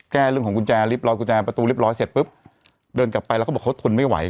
เรื่องของกุญแจริบรอยกุญแจประตูเรียบร้อยเสร็จปุ๊บเดินกลับไปแล้วก็บอกเขาทนไม่ไหว